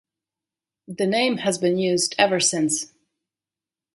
The name has been used ever since.